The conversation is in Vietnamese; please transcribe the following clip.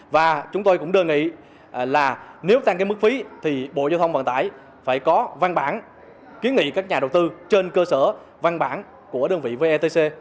và chúng tôi cũng đề nghị là nếu tăng mức phí thì bộ giao thông vận tải phải có văn bản kiến nghị các nhà đầu tư trên cơ sở văn bản của đơn vị vetc